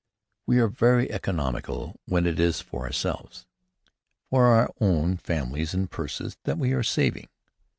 We are very economical when it is for ourselves, for our own families and purses, that we are saving.